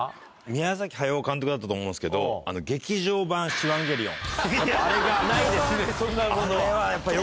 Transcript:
宮崎駿監督だったと思うんですけど、劇場版シワンゲリオン。